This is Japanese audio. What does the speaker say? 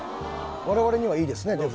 我々にはいいですね